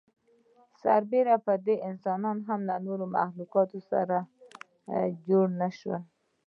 سر بېره پر دې انسان هم له نورو مخلوقاتو سره جوړ نهشو.